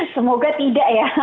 semoga tidak ya